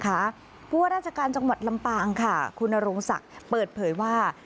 เพราะว่าราชการจังหวัดลำปางค่ะคุณนโรงศักดิ์เปิดเผยว่า